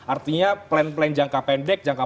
artinya plan plan jangka pendek jangka